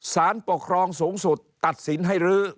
สารปกครองสูงสุดตัดสินให้รื้อ